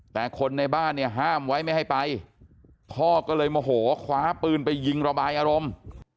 แต่คนในบ้านเนี่ยห้ามไว้ไม่ให้ไปพ่อก็เลยโมโหคว้าปืนไปยิงระบายอารมณ์